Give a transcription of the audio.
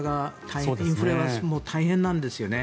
インフレは大変なんですよね。